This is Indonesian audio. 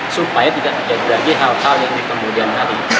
supaya tidak terjadi lagi hal hal yang di kemudian hari